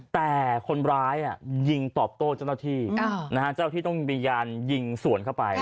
แต่คนร้ายยิงตอบโต้เจ้าหน้าที่เจ้าหน้าที่ต้องมีการยิงสวนเข้าไป